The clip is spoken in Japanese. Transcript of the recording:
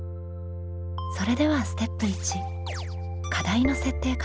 それではステップ１課題の設定からスタート。